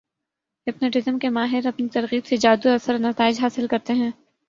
hypnotism کے ماہر اپنی ترغیب سے جادو اثر نتائج حاصل کرتے ہیں